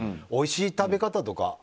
おいしい食べ方とか。